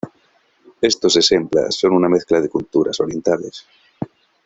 Estos "exempla" son una mezcla de culturas orientales.